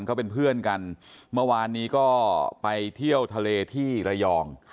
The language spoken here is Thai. เขาเป็นเพื่อนกันเมื่อวานนี้ก็ไปเที่ยวทะเลที่ระยอง